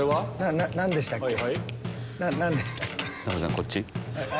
こっち。